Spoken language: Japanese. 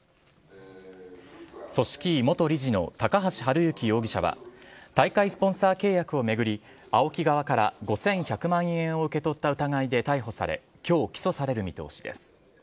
組織委元理事の高橋治之容疑者は、大会スポンサー契約を巡り、ＡＯＫＩ側から５１００万円を受け取った疑いで逮捕され、きょう起訴される見通しです。